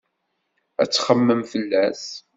Ad txemmem fell-as.